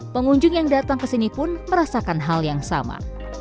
pengunjung yang datang kesini pun merasakan hal yang sama